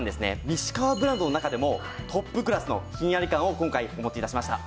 西川ブランドの中でもトップクラスのひんやり感を今回お持ち致しました。